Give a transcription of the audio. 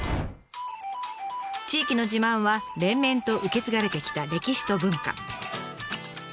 地域の自慢は連綿と受け継がれてきた歴史と文化。